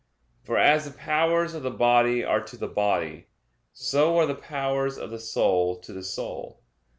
For as the powers of the body are to the body; so are the powers of the soul to the soul.